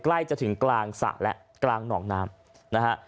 ใกล้จะถึงกลางสระและกลางหนองน้ำนะฮะ